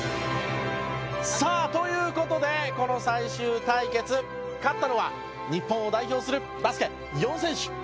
さあという事でこの最終対決勝ったのは日本を代表するバスケ４選手！